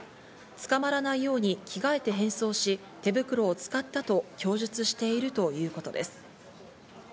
捕まらないように着替えて変装し、手袋を使ったと供述しているということです。